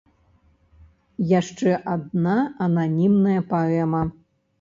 Яшчэ адна ананімная паэма.